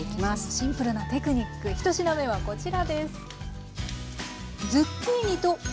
シンプルなテクニック１品目はこちらです。